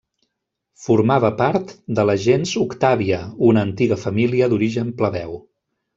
Formava part de la gens Octàvia, una antiga família d'origen plebeu.